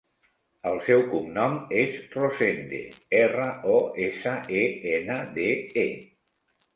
El seu cognom és Rosende: erra, o, essa, e, ena, de, e.